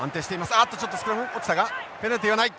あっとちょっとスクラム落ちたがペナルティはない。